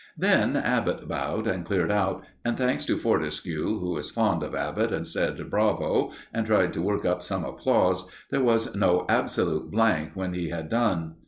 Then Abbott bowed and cleared out; and, thanks to Fortescue, who is fond of Abbott, and said "Bravo!" and tried to work up some applause, there was no absolute blank when he had done.